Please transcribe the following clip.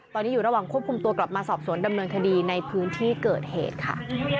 ตอนนี้อยู่ระหว่างควบคุมตัวกลับมาสอบสวนดำเนินคดีในพื้นที่เกิดเหตุค่ะ